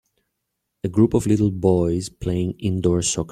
A group of little boys playing indoor soccer.